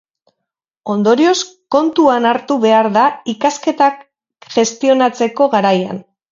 Ondorioz, kontuan hartu behar da ikasketak gestionatzeko garaian.